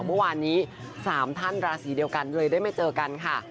เมื่อวานนี้๓ท่านราศีเดียวกันเลยได้ไม่เจอกันค่ะ